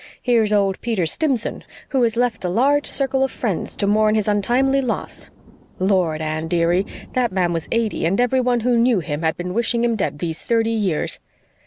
Here's old Peter Stimson, who has 'left a large circle of friends to mourn his untimely loss.' Lord, Anne, dearie, that man was eighty, and everybody who knew him had been wishing him dead these thirty years.